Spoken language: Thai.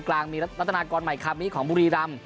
กลางมีลัตนากรใหม่คับนี้ของบุรีรัม